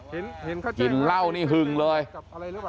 เห็นเขาเจ้าไหมครับกินเหล้านี่หึงเลยอะไรหรือเปล่า